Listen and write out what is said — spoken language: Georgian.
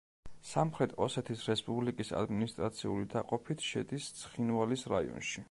სამხრეთ ოსეთის რესპუბლიკის ადმინისტრაციული დაყოფით შედის ცხინვალის რაიონში.